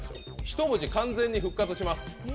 １文字完全に復活します。